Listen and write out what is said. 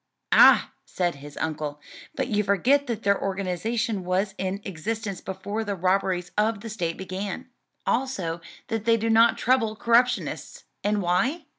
"Ah!" said his uncle, "but you forget that their organization was in existence before the robberies of the state began: also that they do not trouble corruptionists: and why?